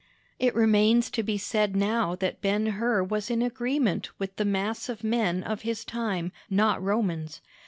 It remains to be said now that Ben Hur was in agreement with the mass of men of his time not Romans.